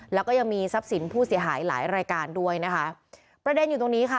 แล้วก็ยังมีทรัพย์สินผู้เสียหายหลายรายการด้วยนะคะประเด็นอยู่ตรงนี้ค่ะ